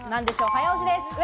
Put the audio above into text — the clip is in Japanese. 早押しです。